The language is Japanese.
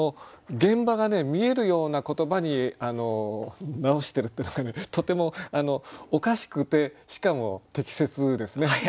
現場が見えるような言葉に直してるというのがとてもおかしくてしかも適切ですね。